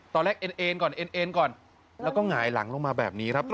เอ็นก่อนเอ็นก่อนแล้วก็หงายหลังลงมาแบบนี้ครับ